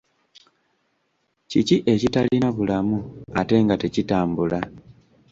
Kiki ekitalina bulamu ate nga tekitambula?